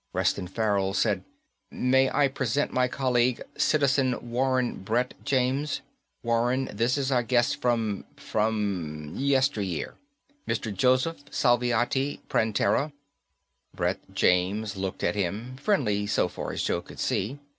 Reston Farrell said, "May I present my colleague, Citizen Warren Brett James? Warren, this is our guest from ... from yesteryear, Mr. Joseph Salviati Prantera." Brett James nodded to him, friendly, so far as Joe could see.